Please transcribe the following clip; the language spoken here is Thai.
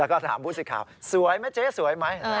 แล้วก็ถามผู้สื่อข่าวสวยไหมเจ๊สวยไหม